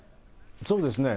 そうですね。